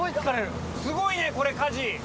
すごいねこれ舵。